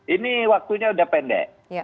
ini waktunya sudah pendek